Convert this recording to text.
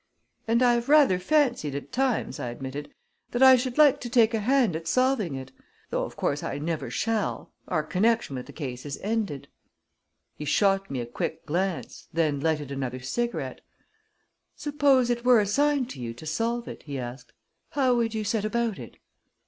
"And I've rather fancied at times," I admitted, "that I should like to take a hand at solving it though, of course, I never shall. Our connection with the case is ended." He shot me a quick glance, then lighted another cigarette. "Suppose it were assigned to you to solve it," he asked, "how would you set about it?"